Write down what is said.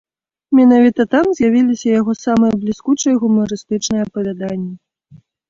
Менавіта там з'явіліся яго самыя бліскучыя гумарыстычныя апавяданні.